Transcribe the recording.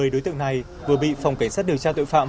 một mươi đối tượng này vừa bị phòng cảnh sát điều tra tội phạm